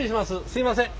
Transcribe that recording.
すいません。